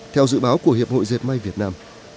theo dự báo của hiệp hội diệt may việt nam